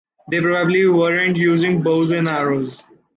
They probably weren’t using bows and arrows.